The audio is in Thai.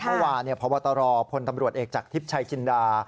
เมื่อวานพบตรพลตำรวจเอกจากทิพย์ชัยจินดา